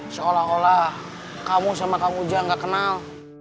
seolah olah kamu sama kang ujang gak kenal